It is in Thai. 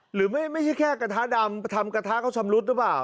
หรือไม่ใช่แค่กระทะดำทำกระทะเขาชำรุดหรือเปล่า